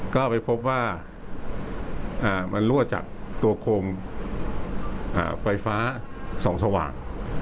ก็ไปพบว่ามันรั่วจากตัวโคมไฟฟ้าส่องสว่าง